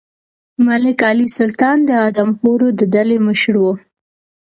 ملک علي سلطان د آدمخورو د ډلې مشر و.